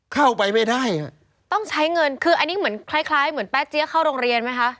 เข้าไปไม่ได้อ่ะต้องใช้เงินคืออันนี้เหมือนคล้ายคล้ายเหมือนแป๊เจี๊ยเข้าโรงเรียนไหมคะ